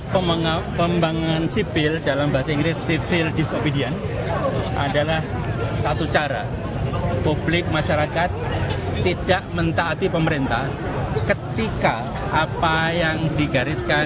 pembangunan sipil dalam bahasa inggris civil disobedience adalah satu cara publik masyarakat tidak mentaati pemerintah ketika apa yang digariskan